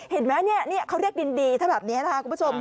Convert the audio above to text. เห็นไหมนี่เขาเรียกดินดีถ้าแบบนี้นะคะคุณผู้ชม